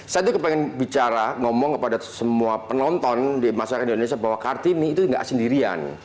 saya tuh pengen bicara ngomong kepada semua penonton di masyarakat indonesia bahwa kartini itu tidak sendirian